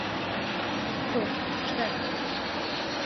То, шта је то?